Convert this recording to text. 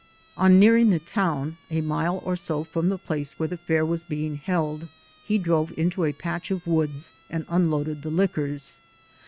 On nearing the town, a mile or so from the place where the fair was being held, he drove into a patch of woods and unloaded the liquors.